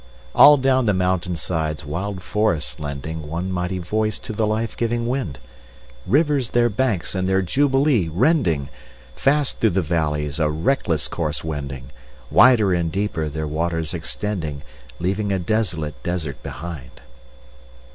All down the mountain sides wild forests lending One mighty voice to the life giving wind, Rivers their banks in their jubilee rending, Fast through the valleys a reckless course wending, Wider and deeper their waters extending, Leaving a desolate desert behind.